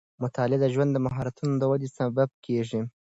مطالعه د ژوند د مهارتونو ودې سبب کېږي.